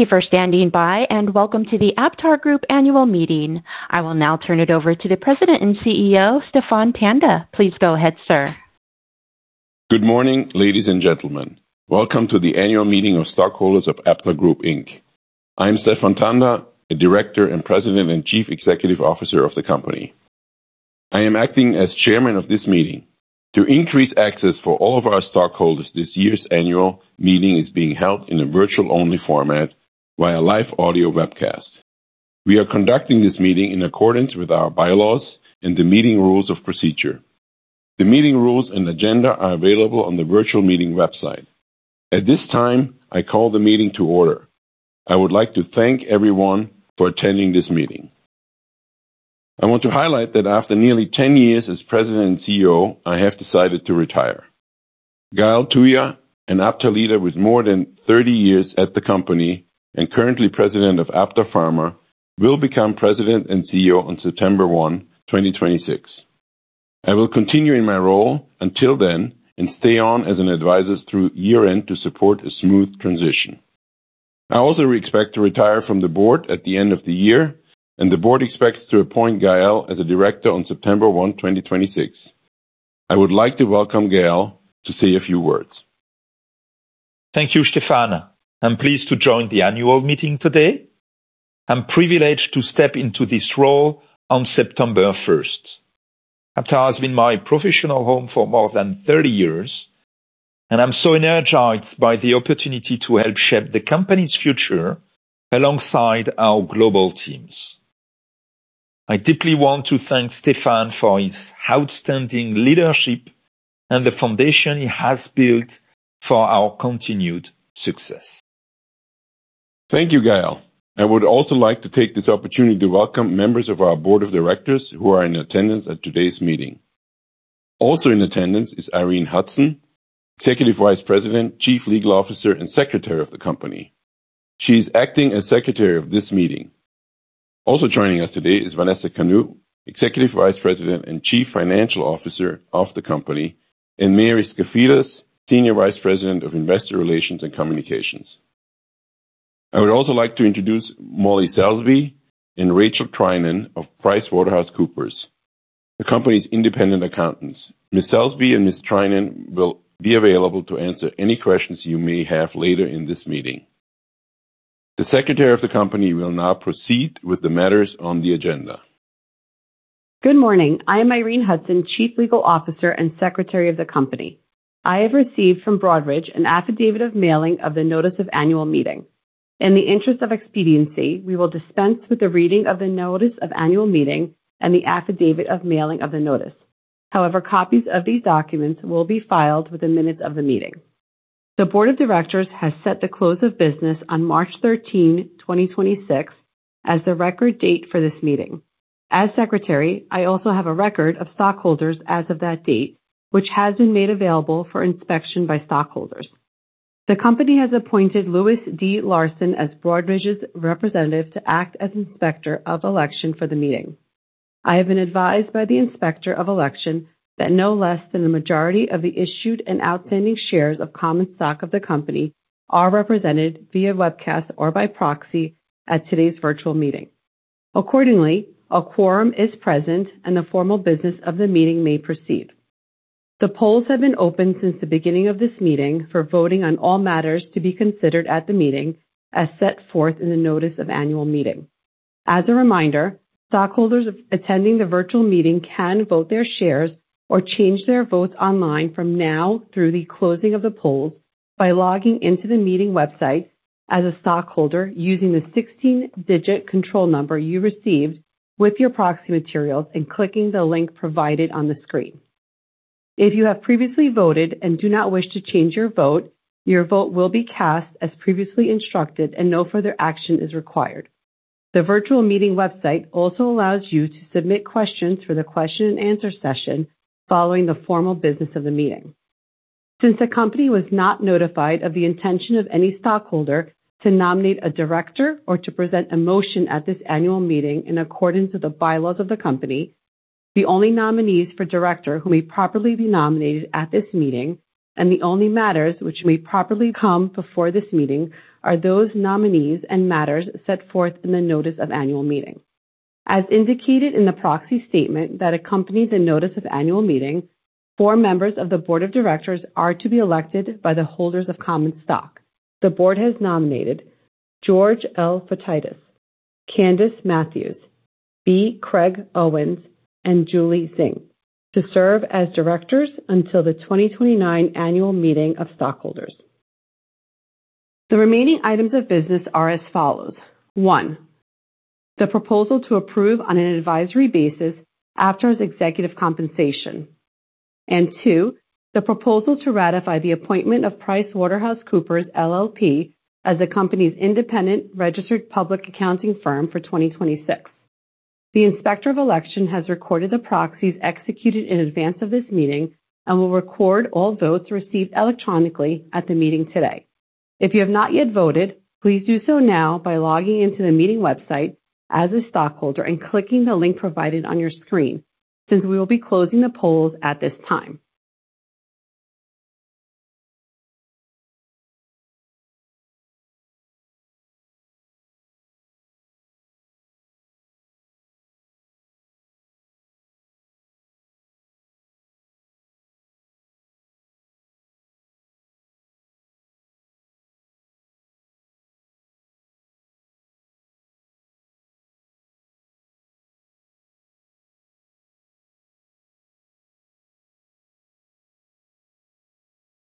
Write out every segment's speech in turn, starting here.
Thank you for standing by, and welcome to the AptarGroup Annual Meeting. I will now turn it over to the President and CEO, Stephan Tanda. Please go ahead, sir. Good morning, ladies and gentlemen. Welcome to the annual meeting of stockholders of AptarGroup Inc. I'm Stephan Tanda, a director and president and chief executive officer of the company. I am acting as Chairman of this meeting. To increase access for all of our stockholders, this year's annual meeting is being held in a virtual-only format via live audio webcast. We are conducting this meeting in accordance with our bylaws and the meeting rules of procedure. The meeting rules and agenda are available on the virtual meeting website. At this time, I call the meeting to order. I would like to thank everyone for attending this meeting. I want to highlight that after nearly 10 years as president and CEO, I have decided to retire. Gael Touya, an Aptar leader with more than 30 years at the company and currently President of Aptar Pharma, will become President and CEO on September 1, 2026. I will continue in my role until then and stay on as an advisor through year-end to support a smooth transition. I also expect to retire from the board at the end of the year, and the board expects to appoint Gael as a director on September 1, 2026. I would like to welcome Gael to say a few words. Thank you, Stephan. I'm pleased to join the annual meeting today. I'm privileged to step into this role on September 1st. Aptar has been my professional home for more than 30 years, and I'm so energized by the opportunity to help shape the company's future alongside our global teams. I deeply want to thank Stephan for his outstanding leadership and the foundation he has built for our continued success. Thank you, Gael. I would also like to take this opportunity to welcome members of our Board of Directors who are in attendance at today's meeting. Also in attendance is Irene Hudson, Executive Vice President, Chief Legal Officer, and Secretary of the company. She's acting as secretary of this meeting. Also joining us today is Vanessa Kanu, Executive Vice President and Chief Financial Officer of the company, and Mary Scafidas, Senior Vice President of Investor Relations and Communications. I would also like to introduce Molly Selby and Rachel Treinen of PricewaterhouseCoopers, the company's independent accountants. Ms. Selby and Ms. Treinen will be available to answer any questions you may have later in this meeting. The secretary of the company will now proceed with the matters on the agenda. Good morning. I am Irene Hudson, Chief Legal Officer and Secretary of the company. I have received from Broadridge an affidavit of mailing of the notice of annual meeting. In the interest of expediency, we will dispense with the reading of the notice of annual meeting and the affidavit of mailing of the notice. However, copies of these documents will be filed with the minutes of the meeting. The board of directors has set the close of business on March 13, 2026 as the record date for this meeting. As Secretary, I also have a record of stockholders as of that date, which has been made available for inspection by stockholders. The company has appointed Louis Larsen as Broadridge's Representative to act as Inspector of Election for the meeting. I have been advised by the inspector of election that no less than the majority of the issued and outstanding shares of common stock of the company are represented via webcast or by proxy at today's virtual meeting. Accordingly, a quorum is present, and the formal business of the meeting may proceed. The polls have been open since the beginning of this meeting for voting on all matters to be considered at the meeting as set forth in the notice of annual meeting. As a reminder, stockholders attending the virtual meeting can vote their shares or change their votes online from now through the closing of the polls by logging into the meeting website as a stockholder using the 16-digit control number you received with your proxy materials and clicking the link provided on the screen. If you have previously voted and do not wish to change your vote, your vote will be cast as previously instructed and no further action is required. The virtual meeting website also allows you to submit questions for the question and answer session following the formal business of the meeting. Since the company was not notified of the intention of any stockholder to nominate a director or to present a motion at this annual meeting in accordance with the bylaws of the company, the only nominees for director who may properly be nominated at this meeting and the only matters which may properly come before this meeting are those nominees and matters set forth in the notice of annual meeting. As indicated in the proxy statement that accompanied the notice of annual meeting, four members of the board of directors are to be elected by the holders of common stock. The board has nominated George L. Fotiades, Candace Matthews, B. Craig Owens, and Julie Xing to serve as directors until the 2029 annual meeting of stockholders. The remaining items of business are as follows. One, the proposal to approve on an advisory basis Aptar's executive compensation. And two, the proposal to ratify the appointment of PricewaterhouseCoopers LLP as the company's independent registered public accounting firm for 2026. The inspector of election has recorded the proxies executed in advance of this meeting and will record all votes received electronically at the meeting today. If you have not yet voted, please do so now by logging into the meeting website as a stockholder and clicking the link provided on your screen since we will be closing the polls at this time.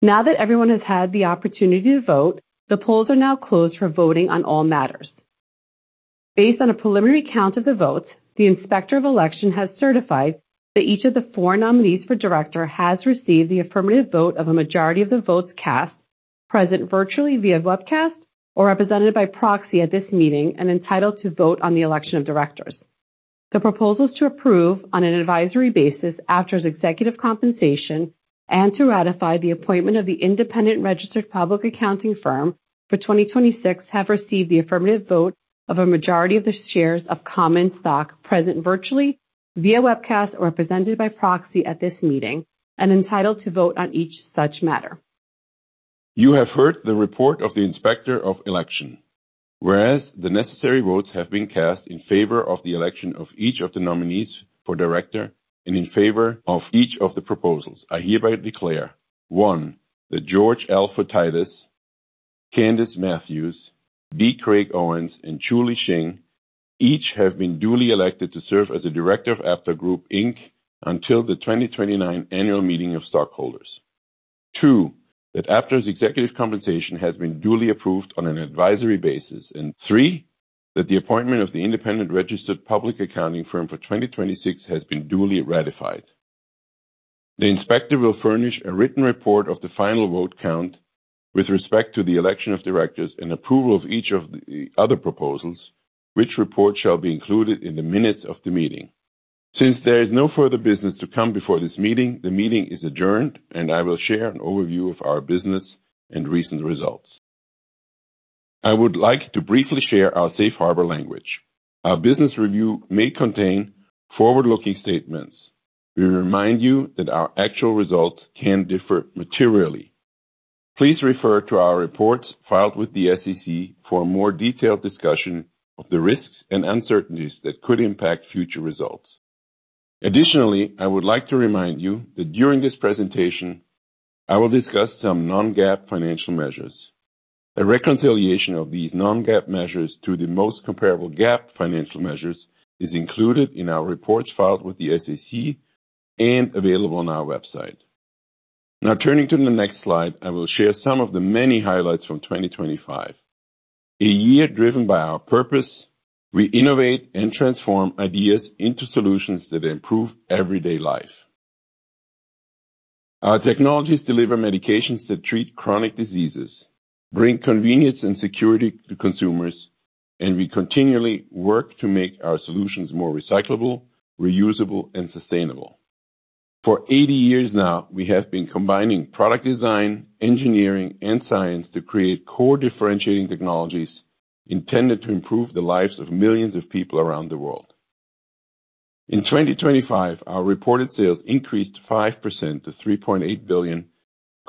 Now that everyone has had the opportunity to vote, the polls are now closed for voting on all matters. Based on a preliminary count of the votes, the inspector of election has certified that each of the four nominees for director has received the affirmative vote of a majority of the votes cast, present virtually via webcast or represented by proxy at this meeting and entitled to vote on the election of directors. The proposals to approve on an advisory basis Aptar's executive compensation and to ratify the appointment of the independent registered public accounting firm for 2026 have received the affirmative vote of a majority of the shares of common stock present virtually via webcast or represented by proxy at this meeting and entitled to vote on each such matter. You have heard the report of the Inspector of Election. Whereas the necessary votes have been cast in favor of the election of each of the nominees for director and in favor of each of the proposals, I hereby declare, one, that George L. Fotiades, Candace Matthews, B. Craig Owens, and Julie Xing each have been duly elected to serve as a director of AptarGroup, Inc. until the 2029 annual meeting of stockholders. Two, that Aptar's executive compensation has been duly approved on an advisory basis. Three, that the appointment of the independent registered public accounting firm for 2026 has been duly ratified. The inspector will furnish a written report of the final vote count with respect to the election of directors and approval of each of the other proposals, which report shall be included in the minutes of the meeting. Since there is no further business to come before this meeting, the meeting is adjourned. And I will share an overview of our business and recent results. I would like to briefly share our safe harbor language. Our business review may contain forward-looking statements. We remind you that our actual results can differ materially. Please refer to our reports filed with the SEC for a more detailed discussion of the risks and uncertainties that could impact future results. Additionally, I would like to remind you that during this presentation, I will discuss some non-GAAP financial measures. A reconciliation of these non-GAAP measures to the most comparable GAAP financial measures is included in our reports filed with the SEC and available on our website. Now turning to the next slide, I will share some of the many highlights from 2025. A year driven by our purpose, we innovate and transform ideas into solutions that improve everyday life. Our technologies deliver medications that treat chronic diseases, bring convenience and security to consumers, and we continually work to make our solutions more recyclable, reusable, and sustainable. For 80 years now, we have been combining product design, engineering, and science to create core differentiating technologies intended to improve the lives of millions of people around the world. In 2025, our reported sales increased 5% to $3.8 billion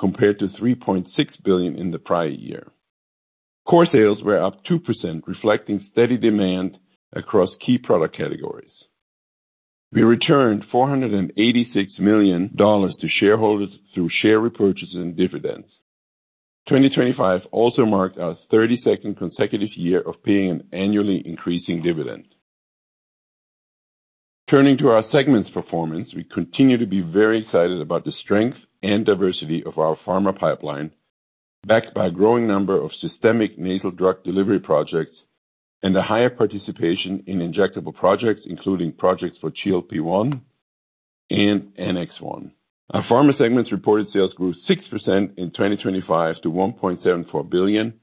compared to $3.6 billion in the prior year. Core sales were up 2%, reflecting steady demand across key product categories. We returned $486 million to shareholders through share repurchases and dividends. 2025 also marked our 32nd consecutive year of paying an annually increasing dividend. Turning to our segments performance, we continue to be very excited about the strength and diversity of our Pharma pipeline, backed by a growing number of systemic nasal drug delivery projects and a higher participation in injectable projects, including projects for GLP-1 and NX-1. Our Pharma segments reported sales grew 6% in 2025 to $1.74 billion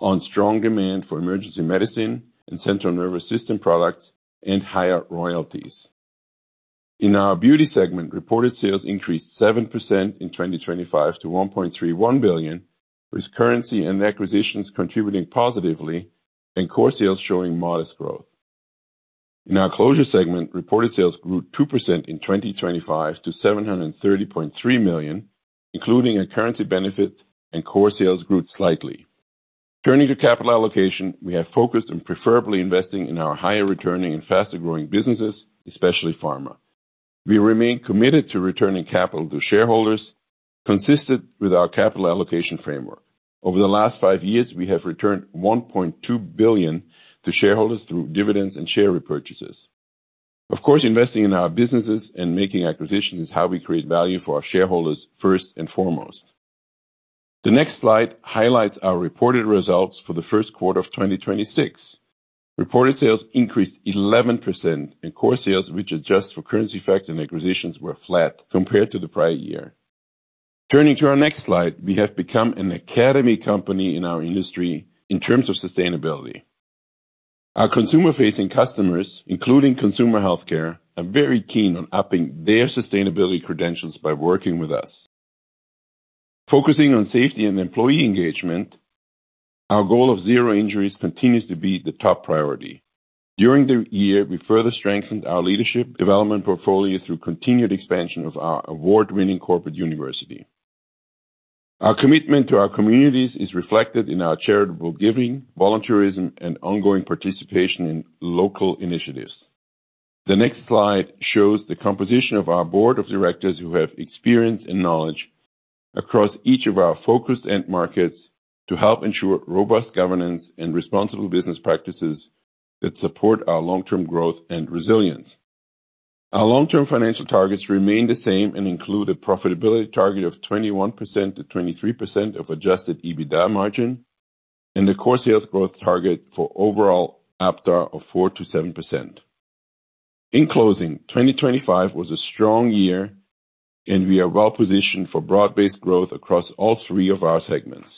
on strong demand for emergency medicine and central nervous system products and higher royalties. In our Beauty segment, reported sales increased 7% in 2025 to $1.31 billion, with currency and acquisitions contributing positively and core sales showing modest growth. In our Closures segment, reported sales grew 2% in 2025 to $730.3 million, including a currency benefit and core sales growth slightly. Turning to capital allocation, we have focused on preferably investing in our higher returning and faster-growing businesses, especially Pharma. We remain committed to returning capital to shareholders consistent with our capital allocation framework. Over the last five years, we have returned $1.2 billion to shareholders through dividends and share repurchases. Investing in our businesses and making acquisitions is how we create value for our shareholders first and foremost. The next slide highlights our reported results for the first quarter of 2026. Reported sales increased 11% and core sales, which adjust for currency effects and acquisitions, were flat compared to the prior year. We have become an academy company in our industry in terms of sustainability. Our consumer-facing customers, including consumer healthcare, are very keen on upping their sustainability credentials by working with us. Focusing on safety and employee engagement. Our goal of zero injuries continues to be the top priority. During the year, we further strengthened our leadership development portfolio through continued expansion of our award-winning Corporate University. Our commitment to our communities is reflected in our charitable giving, volunteerism, and ongoing participation in local initiatives. The next slide shows the composition of our board of directors who have experience and knowledge across each of our focused end markets to help ensure robust governance and responsible business practices that support our long-term growth and resilience. Our long-term financial targets remain the same and include a profitability target of 21%-23% of adjusted EBITDA margin and a core sales growth target for overall Aptar of 4%-7%. In closing, 2025 was a strong year, and we are well-positioned for broad-based growth across all three of our segments.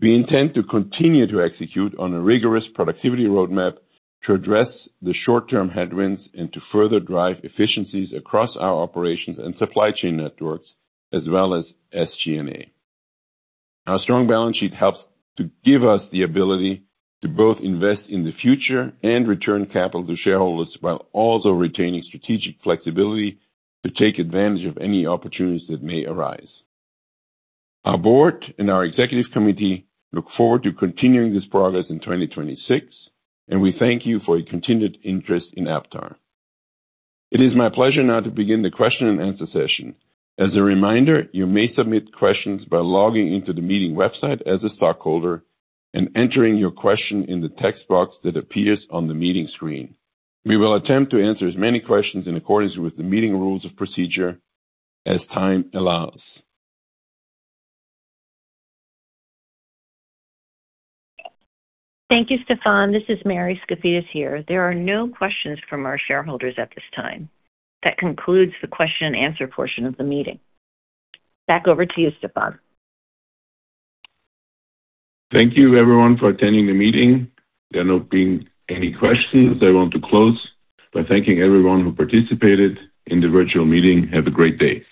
We intend to continue to execute on a rigorous productivity roadmap to address the short-term headwinds and to further drive efficiencies across our operations and supply chain networks as well as SG&A. Our strong balance sheet helps to give us the ability to both invest in the future and return capital to shareholders while also retaining strategic flexibility to take advantage of any opportunities that may arise. Our board and our executive committee look forward to continuing this progress in 2026, and we thank you for your continued interest in Aptar. It is my pleasure now to begin the question-and-answer session. As a reminder, you may submit questions by logging into the meeting website as a stockholder and entering your question in the text box that appears on the meeting screen. We will attempt to answer as many questions in accordance with the meeting rules of procedure as time allows. Thank you, Stephan. This is Mary Scafidas here. There are no questions from our shareholders at this time. That concludes the question and answer portion of the meeting. Back over to you, Stephan. Thank you, everyone, for attending the meeting. There not being any questions, I want to close by thanking everyone who participated in the virtual meeting. Have a great day.